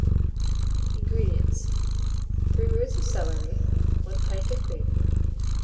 INGREDIENTS. 3 roots of celery, 1 pint of gravy, No.